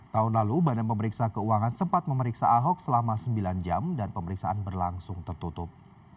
tahun lalu badan pemeriksa keuangan sempat memeriksa ahok selama sembilan jam dan pemeriksaan berlangsung tertutup